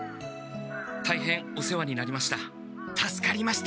たいへんお世話になりました。